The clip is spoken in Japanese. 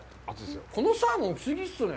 このサーモン、不思議っすね。